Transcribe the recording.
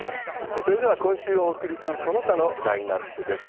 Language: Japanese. それでは、今週お送りするその他のラインナップです。